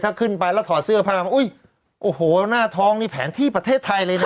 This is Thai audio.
ถ้าขึ้นไปแล้วถอดเสื้อผ้ามาอุ้ยโอ้โหหน้าท้องนี่แผนที่ประเทศไทยเลยนะ